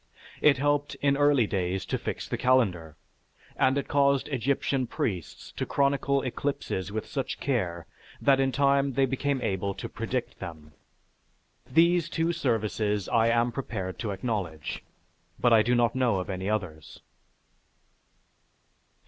It helped in early days to fix the calendar, and it caused Egyptian priests to chronicle eclipses with such care that in time they became able to predict them. These two services I am prepared to acknowledge, but I do not know of any others.